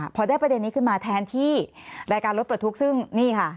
พอได้ประเด็นนี้ขึ้นมาแทนที่รายการรถปลดทุกข์ซึ่งนี่ค่ะ